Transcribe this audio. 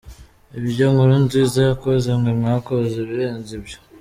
ibyo nkurunziza yakoze mwe mwakoze ibirenze ibyo.